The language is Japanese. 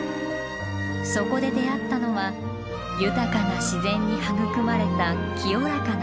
そこで出会ったのは豊かな自然に育まれた清らかな水。